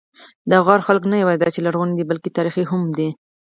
د غور خلک نه یواځې دا چې لرغوني دي، بلکې تاریخي هم دي.